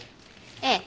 ええ。